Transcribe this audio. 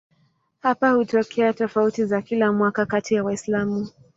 Hapa hutokea tofauti za kila mwaka kati ya Waislamu.